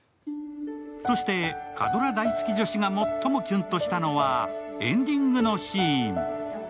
そして火ドラ大好き女子が最もキュンとしたのはエンディングのシーン。